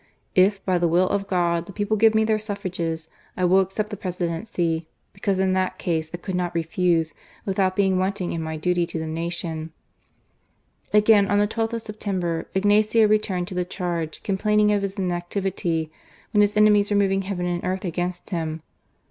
... If, by the will of God, the people give me their suffrages, I will accept the Presidency, because in that case I could not refuse, without being wanting in my duty HIS RE ELECTION. 289 to the nation." Again, on the 12th of September, Ignacio returned to the charge, complaining of his inactivity, when his enemies were moving heaven and earth against him.